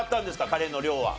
カレーの量は。